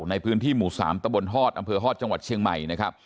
ในพื้นที่หมู่๓ตะบนฮอดอำเภอฮอตจังหวัดเชียงใหม่นะครับ